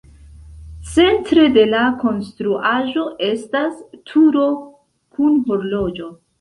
Centre de la konstruaĵo estas turo kun horloĝo.